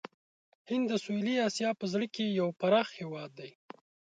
هند د سویلي آسیا په زړه کې یو پراخ هېواد دی.